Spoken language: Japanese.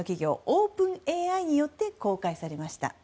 オープンＡＩによって公開されました。